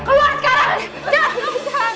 keluar keluar sekarang